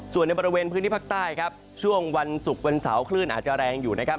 ส่วนในบริเวณพื้นที่ภาคใต้ครับช่วงวันศุกร์วันเสาร์คลื่นอาจจะแรงอยู่นะครับ